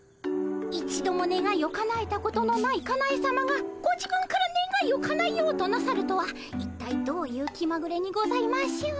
一度もねがいをかなえたことのないかなえさまがご自分からねがいをかなえようとなさるとは一体どういう気まぐれにございましょう。